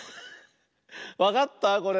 わかったこれ？